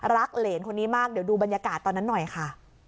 เหรนคนนี้มากเดี๋ยวดูบรรยากาศตอนนั้นหน่อยค่ะ